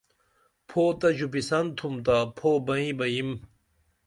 پھو تہ ژوپیسن تُھم تا پھو بئیں بہ یِم